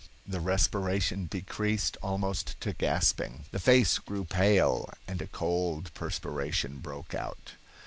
The respiration decreased almost to gasping, the face grew pale, and a cold perspiration broke out.